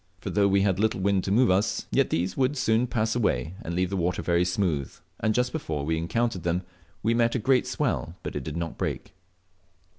For though we had little wind to move us, yet these world soon pass away, and leave the water very smooth, and just before we encountered them we met a great swell, but it did not break."